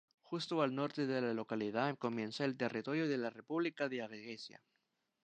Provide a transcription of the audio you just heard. Justo al norte de la localidad comienza el territorio de la República de Adiguesia.